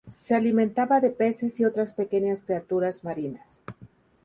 Se alimentaba de peces y otras pequeñas criaturas marinas.